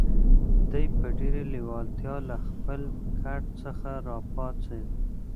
دی په ډېرې لېوالتیا له خپل کټ څخه را پاڅېد.